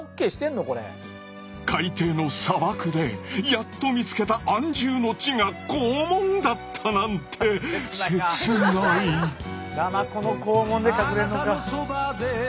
海底の砂漠でやっと見つけた安住の地が肛門だったなんてナマコの肛門で隠れんのか。